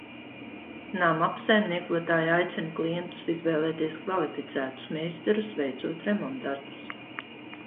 Namu apsaimniekotāji aicina klientus izvēlēties kvalificētus meistarus veicot remontdarbus.